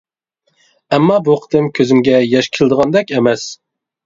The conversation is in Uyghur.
ئەمما بۇ قېتىم كۆزۈمگە ياش كېلىدىغاندەك ئەمەس.